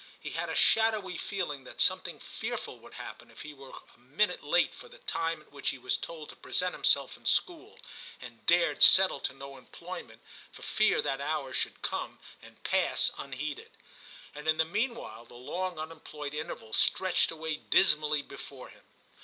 He had a shadowy feeling that something fearful would happen if he were a minute late for the time at which he was told to present himself in school, and dared settle to no employment, for fear that hour should come, and pass unheeded ; and in the mean while the long unemployed interval stretched away dismally before him.